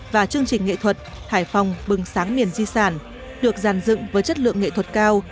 và chương trình nghệ thuật hải phòng bừng sáng miền di sản được giàn dựng với chất lượng nghệ thuật cao